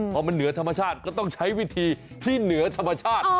พอมันเหนือธรรมชาติก็ต้องใช้วิธีที่เหนือธรรมชาติ